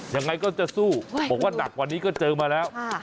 ยังไงก็จะสู้บอกว่าหนักกว่านี้ก็เจอมาแล้ว